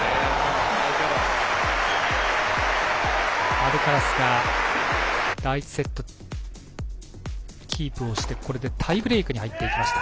アルカラスが第１セット、キープをしてこれでタイブレークに入っていきました。